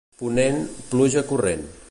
Ponent, pluja corrent.